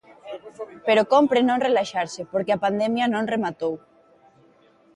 Pero cómpre non relaxarse porque a pandemia non rematou.